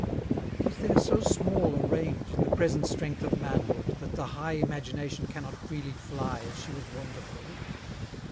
Is there so small a range In the present strength of manhood, that the high Imagination cannot freely fly As she was wont of old?